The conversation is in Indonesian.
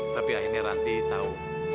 tapi akhirnya ranti tahu